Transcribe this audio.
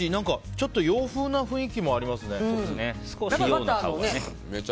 ちょっと洋風な雰囲気もありますね。